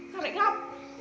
sao lại khóc